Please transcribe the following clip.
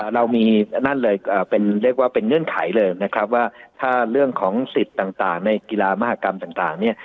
เรามีนั่นเลยเป็นเรียกว่าเป็นเงื่อนไขเลยนะครับว่าถ้าเรื่องของสิทธิ์ต่างในกีฬามหากรรมต่างเนี่ย